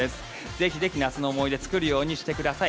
ぜひぜひ夏の思い出を作るようにしてください。